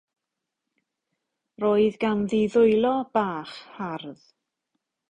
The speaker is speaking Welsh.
Roedd ganddi ddwylo bach hardd.